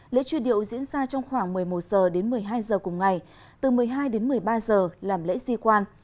lễ truy điệu diễn ra trong khoảng một mươi một h đến một mươi hai h cùng ngày từ một mươi hai đến một mươi ba h làm lễ di quan